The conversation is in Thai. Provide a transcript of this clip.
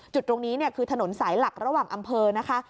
จุดตรงนี้คือถนนสายหลักระหว่างอำเภอนะคะ